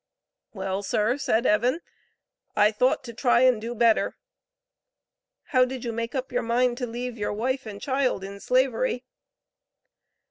"Well, sir," said Evan, "I thought to try and do better." How did you make up your mind to leave your wife and child in Slavery?